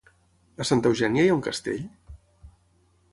A Santa Eugènia hi ha un castell?